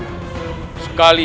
sekaligus sebagai taruhan